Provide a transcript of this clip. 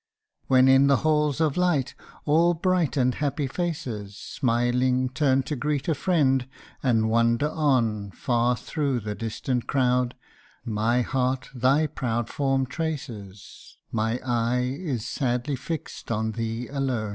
When in the halls of light, all bright and happy faces, Smiling turn to greet a friend, and wander on Far through the distant crowd, my heart thy proud form traces, My eye is sadly fixed on thee alone.